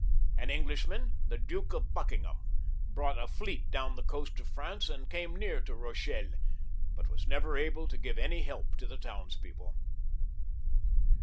An Englishman, the Duke of Buckingham, brought a fleet down the coast of France, and came near to Eochelle, but was never able to give any help to the towns people.